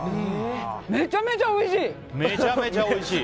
めちゃめちゃおいしい！